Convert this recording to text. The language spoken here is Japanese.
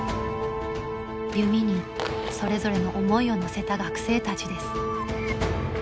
弓にそれぞれの思いを乗せた学生たちです。